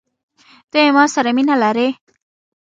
ته يې مو سره مينه لرې؟